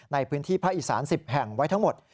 ในพื้นที่ภาคอีสาน๑๐แห่งไว้ทั้งหมด